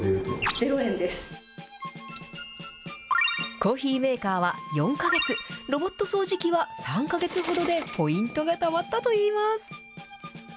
コーヒーメーカーは４か月、ロボット掃除機は３か月ほどでポイントがたまったといいます。